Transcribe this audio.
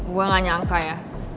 gue gak nyangka ya